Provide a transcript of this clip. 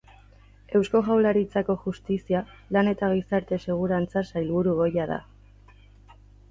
Eusko Jaurlaritzako Justizia, Lan eta Gizarte Segurantza sailburu ohia da.